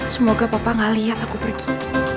semoga papa gak lihat aku pergi